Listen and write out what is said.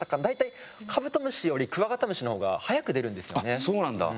あっそうなんだ。